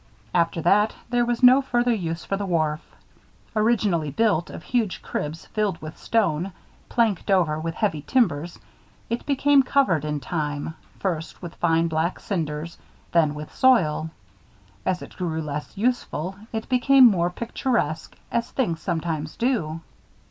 After that, there was no further use for the wharf. Originally built of huge cribs filled with stone, planked over with heavy timbers, it became covered, in time, first with fine black cinders, then with soil. As it grew less useful, it became more picturesque, as things sometimes do.